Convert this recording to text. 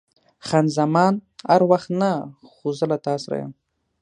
خان زمان: هر وخت نه، خو زه له تا سره یم.